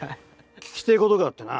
聞きてえことがあってな。